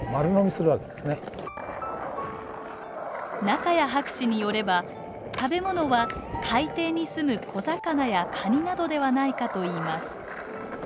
仲谷博士によれば食べ物は海底にすむ小魚やカニなどではないかといいます。